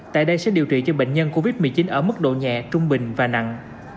tại đây sẽ điều trị cho bệnh nhân covid một mươi chín ở mức độ nhẹ trung bình và nặng